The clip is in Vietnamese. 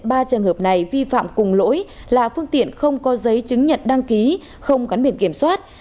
ba trường hợp này vi phạm cùng lỗi là phương tiện không có giấy chứng nhận đăng ký không gắn biển kiểm soát